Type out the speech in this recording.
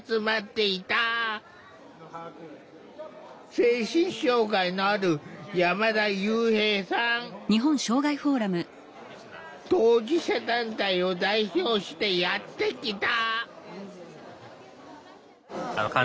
精神障害のある当事者団体を代表してやって来た。